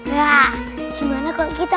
gak gimana kalau kita